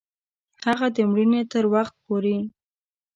هغه د مړینې تر وخت پوري